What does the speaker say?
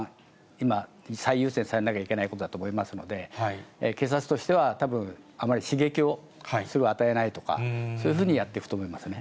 今、最優先されなきゃいけないことだと思いますので、警察としてはたぶん、あまり刺激を与えないとか、そういうふうにやっていくと思いますね。